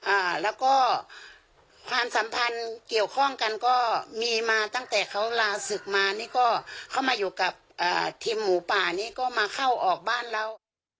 อ่าแล้วก็ความสัมพันธ์เกี่ยวข้องกันก็มีมาตั้งแต่เขาลาศึกมานี่ก็เข้ามาอยู่กับอ่าทีมหมูป่านี้ก็มาเข้าออกบ้านเรา